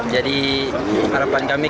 jadi harapan kami kemudian